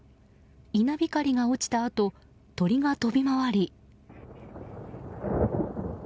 稲光が落ちたあと鳥が飛び回り。